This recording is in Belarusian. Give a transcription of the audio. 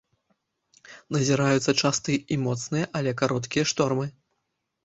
Назіраюцца частыя і моцныя, але кароткія штормы.